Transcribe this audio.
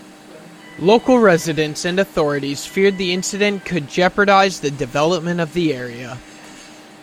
Local residents and authorities feared the incident could jeopardise the development of the area.